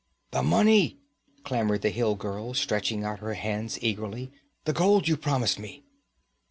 'The money!' clamored the hill girl, stretching out her hands eagerly. 'The gold you promised me!'